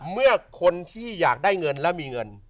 เมื่อคนที่อยากได้เงินแล้วมีเงิน